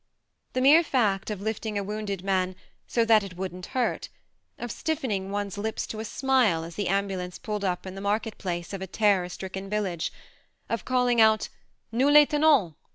. The mere fact of lifting a wounded man " so that it wouldn't hurt "; of stiffening one's lips to a smile as the ambulance pulled up in the market THE MARNE 83 place of a terror stricken village ; of call ing out "Nous les tenons!"